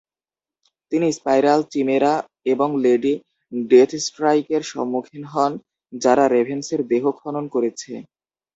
তিনি Spiral, Chimera এবং Lady ডেথস্ট্রাইকের সম্মুখীন হন যারা রেভেন্সের দেহ খনন করেছে।